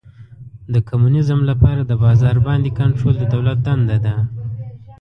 د کمونیزم لپاره د بازار باندې کنټرول د دولت دنده ده.